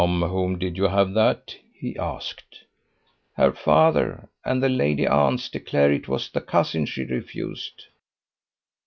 "From whom did you have that?" he asked. "Her father. And the lady aunts declare it was the cousin she refused!"